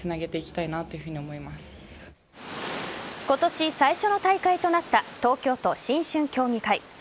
今年最初の大会となった東京都新春競技会。